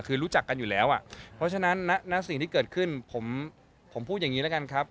คือรู้จักกันอยู่แล้วอ่ะเพราะฉะนั้นณสิ่งที่เกิดขึ้นผมพูดอย่างนี้แล้วกันครับ